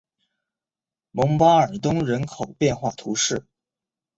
蒙巴尔东人口变化图示